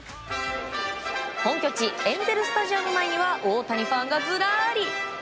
本拠地エンゼル・スタジアム前には大谷ファンがずらり！